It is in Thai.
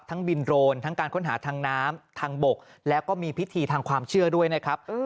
บินโรนทั้งการค้นหาทางน้ำทางบกแล้วก็มีพิธีทางความเชื่อด้วยนะครับ